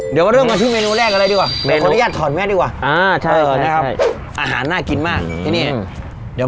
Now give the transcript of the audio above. เดี๋ยวมาเริ่มกับชื่อเมนูแรกอะไรดีกว่าเนี่ย